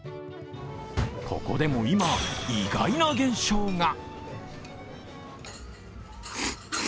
ここでも今、意外な現象が。